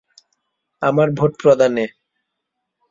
আমার ভোট প্রদানে।